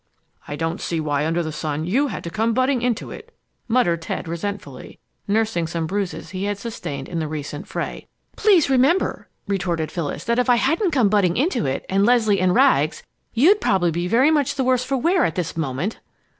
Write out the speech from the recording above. "I don't see why under the sun you had to come butting into it!" muttered Ted, resentfully, nursing some bruises he had sustained in the recent fray. "Please remember," retorted Phyllis, "that if I hadn't come butting into it and Leslie and Rags, you'd probably be very much the worse for wear at this moment!"